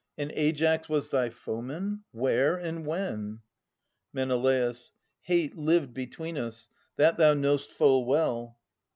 And Aias was thy foeman ? Where and when ? Men. Hate lived between us ; that thou know'st full well.